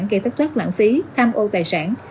gây thất thoát lãng phí tham ô tài sản